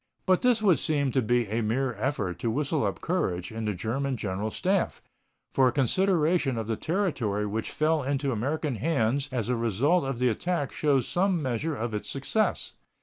But this would seem to be a mere effort to whistle up courage in the German General Staff, for a consideration of the territory which fell into American hands as a result of the attack shows some measure of its success.